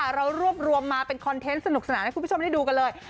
เรารวบรวมมาเป็นคอนเทนต์สนุกสนานให้คุณผู้ชมได้ดูกันเลย